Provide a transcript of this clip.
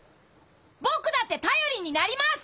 僕だって頼りになります！